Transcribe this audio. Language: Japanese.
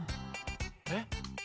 えっ？